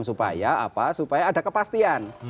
supaya ada kepastian